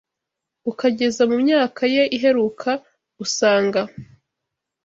ukageza mu myaka ye iheruka usanga